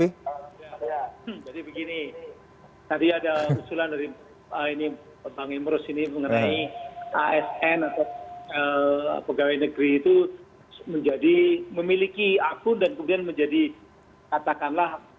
jadi begini tadi ada usulan dari pak ini pak bang imrus ini mengenai asn atau pegawai nkri itu menjadi memiliki akun dan kemudian menjadi katakanlah